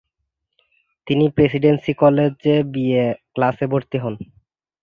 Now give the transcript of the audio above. তিনি প্রেসিডেন্সি কলেজে B A ক্লাসে ভর্তি হন।